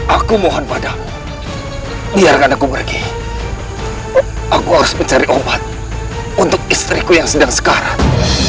aku mohon padamu biarkan aku pergi aku harus mencari obat untuk istriku yang sedang sekarang